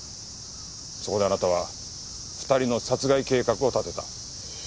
そこであなたは２人の殺害計画を立てた。